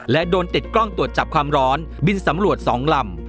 และโดนติดกล้องตรวจจับความร้อนบินสำรวจ๒ลำ